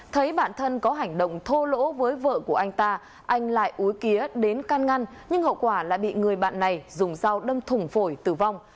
thấy bạn thân có hành động thô lỗ với vợ của anh ta anh lại úi kía đến căn ngăn nhưng hậu quả là bị người bạn này dùng dao đâm thủng phổi tử vong